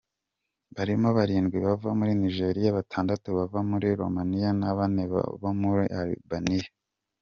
Barimo barindwi bava muri Nigeria, batandatu bava muri Roumania na bane bo muri Albania.